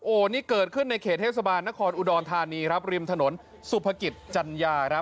โอ้โหนี่เกิดขึ้นในเขตเทศบาลนครอุดรธานีครับริมถนนสุภกิจจัญญาครับ